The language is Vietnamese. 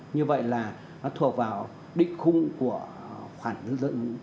như vậy là nó thuộc vào định khung của khoản dân dân